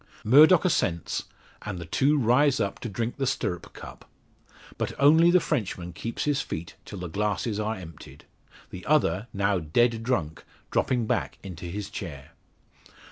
Murdock assents; and the two rise up to drink the stirrup cup. But only the Frenchman keeps his feet till the glasses are emptied; the other, now dead drunk, dropping back into his chair.